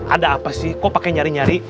ada apa sih kok pakai nyari nyari